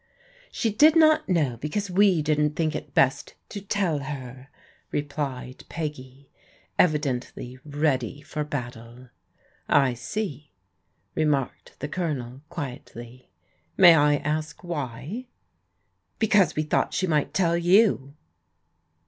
" She did not know, because we didn't think it best to tell her," replied Peggy, evidently ready for battle. " I see," remarked the Cplonel quietly. " May I ask why?" " Because we thought she might tell you."